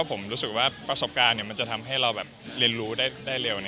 ผมรู้สึกว่าประสบการณ์มันจะทำให้เราเรียนรู้ได้เร็ว